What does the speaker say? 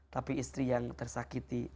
tapi istri yang tersakiti